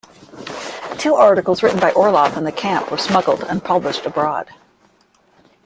Two articles written by Orlov in the camp were smuggled and published abroad.